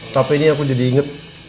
tapi ini aku jadi inget